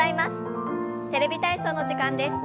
「テレビ体操」の時間です。